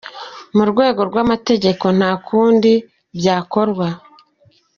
Mu rwego rw’amategeko nta kundi byakorwa.